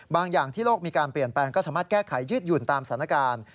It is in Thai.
อย่างที่โลกมีการเปลี่ยนแปลงก็สามารถแก้ไขยืดหยุ่นตามสถานการณ์